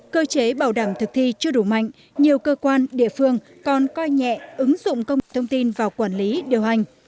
cơ chế bảo đảm thực thi chưa đủ mạnh nhiều cơ quan địa phương còn coi nhẹ ứng dụng công nghệ thông tin vào quản lý điều hành